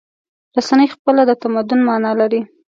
رسنۍ خپله د تمدن معنی لري.